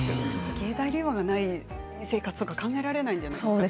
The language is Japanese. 携帯電話がない生活は考えられないんじゃないですか。